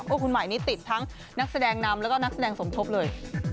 คุณหมายนี้ติดทั้งนักแสดงนำแล้วก็นักแสดงสมทบเลย